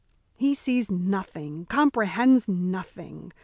"He sees nothing, comprehends nothing.